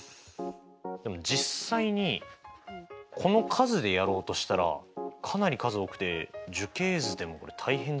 でも実際にこの数でやろうとしたらかなり数多くて樹形図でもこれ大変じゃないですか？